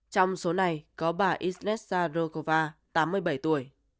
trong số này có bà iznetza rokova tám mươi bảy tuổi